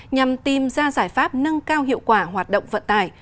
nhằm tìm ra giải pháp nâng cao hiệu quả hoạt động vận tải